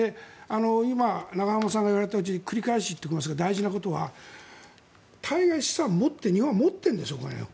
今、永濱さんが言われたうちに繰り返し言っておきますが大事なことは対外資産を日本は持っているんですお金を。